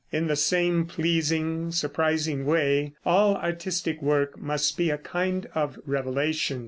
In the same pleasing, surprising way, all artistic work must be a kind of revelation.